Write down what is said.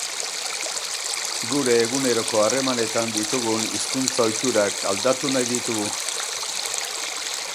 Gure eguneroko harremanetan ditugun hizkuntza-ohiturak aldatu nahi ditugu.